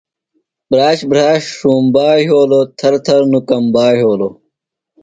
بھراش، بھراش ݜُومبا یھولوۡ، تھر تھر نوۡ کمبا یھولوۡ